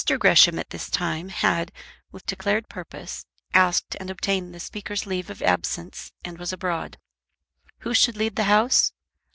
Gresham at this time had, with declared purpose, asked and obtained the Speaker's leave of absence and was abroad. Who should lead the House?